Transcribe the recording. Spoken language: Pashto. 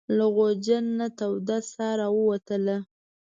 له غوجل نه توده ساه راووتله.